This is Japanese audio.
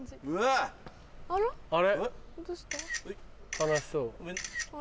悲しそう。